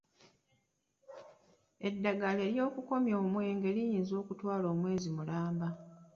Eddagala ly'okukomya omwenge liyinza okutwala omwezi mulamba.